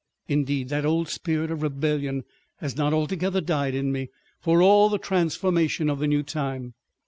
Indeed that old spirit of rebellion has not altogether died in me, for all the transformation of the new time.